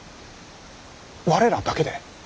我らだけで？